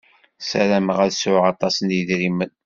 Sarameɣ ad sɛuɣ aṭas n yedrimen.